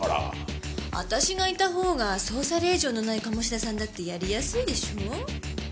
私がいたほうが捜査令状のない鴨志田さんだってやりやすいでしょう？